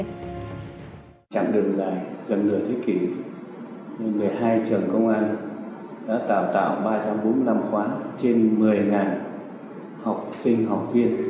trạng đường dài gần nửa thế kỷ một mươi hai trường công an đã đào tạo ba trăm bốn mươi năm khóa trên một mươi học sinh học viên